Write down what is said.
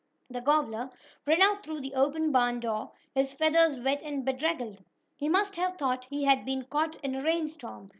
The gobbler ran out through the open barn door, his feathers wet and bedraggled. He must have thought he had been caught in a rainstorm.